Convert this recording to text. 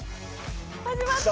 始まった。